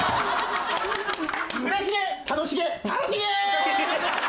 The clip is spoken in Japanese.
うれしげ楽しげ楽しげ！